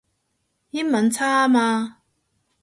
英文差吖嘛